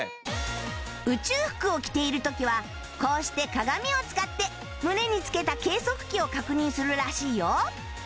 宇宙服を着ている時はこうして鏡を使って胸に付けた計測器を確認するらしいよ